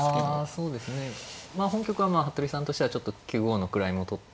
あそうですね。本局はまあ服部さんとしてはちょっと９五の位も取って。